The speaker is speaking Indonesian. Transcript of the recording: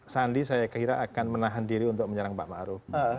sandi saya kira akan menahan diri untuk menyerang pak maru